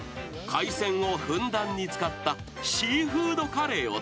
［海鮮をふんだんに使ったシーフードカレーを作ることに］